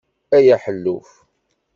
Ay aḥelluf!